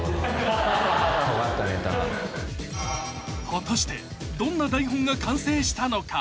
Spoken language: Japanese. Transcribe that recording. ［果たしてどんな台本が完成したのか？］